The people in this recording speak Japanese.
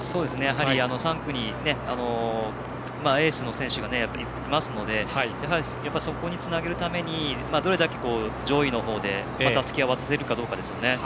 ３区にエースの選手がいますのでやはり、そこにつなげるためにどれだけ上位の方でたすきを渡せるかですよね。